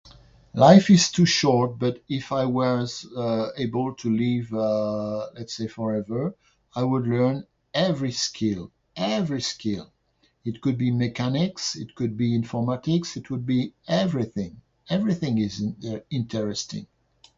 Life is too short, but if I was able to live I'd say forever, I would learn every skill, every skill; it could be mechanics; it could be informatics; it would be everything. Everything is [unintelligible] interesting.